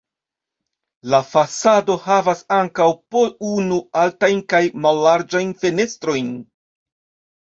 La fasado havas ankaŭ po unu altajn kaj mallarĝajn fenestrojn.